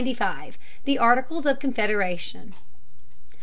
THE ARTICLES OF CONFEDERATION.